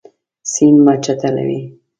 سیند مه چټلوئ.